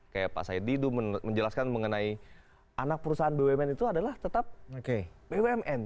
kayak pak said didu menjelaskan mengenai anak perusahaan bumn itu adalah tetap bumn